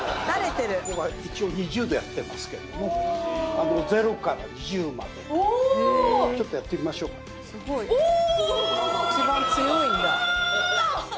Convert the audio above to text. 一応２０でやってますけど０から２０までちょっとやってみましょうかおお！